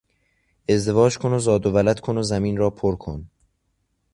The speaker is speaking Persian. ازدواج کن و زاد و ولد کن و زمین را پر کن!